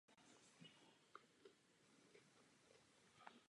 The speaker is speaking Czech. Zpráva toto zdůrazňuje, a proto má mou podporu.